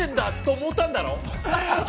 思ったんだろ？